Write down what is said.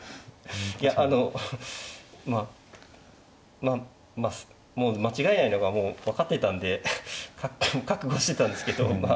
いやあのまあまあもう間違えないのはもう分かってたんで覚悟してたんですけどま